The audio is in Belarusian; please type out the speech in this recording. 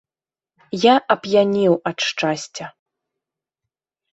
Я ап'янеў ад шчасця.